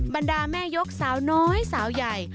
บรรดาแม่ยกสาวน้อยสาวใหญ่